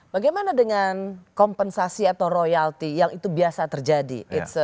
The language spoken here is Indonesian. bagaimana dengan kompensasi atau royalti yang itu biasa terjadi